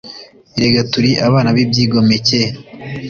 Erega turi abana bibyigomeke